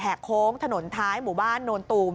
โค้งถนนท้ายหมู่บ้านโนนตูม